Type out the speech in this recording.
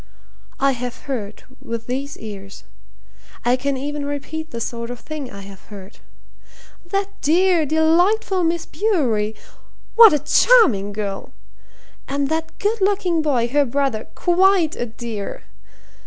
I have heard with these ears. I can even repeat the sort of thing I have heard. 'That dear, delightful Miss Bewery what a charming girl! And that good looking boy, her brother quite a dear!